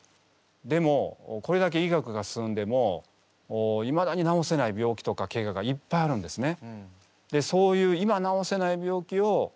でもこれだけ医学が進んでもいまだに治せない病気とかけががいっぱいあるんですね。